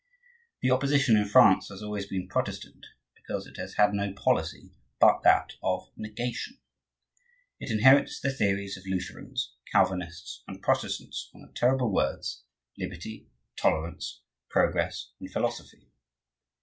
The Opposition in France has always been Protestant, because it has had no policy but that of negation; it inherits the theories of Lutherans, Calvinists, and Protestants on the terrible words "liberty," "tolerance," "progress," and "philosophy."